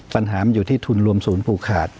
ปัญหามันอยู่ที่ทุนรวมศูนย์ผูกขาด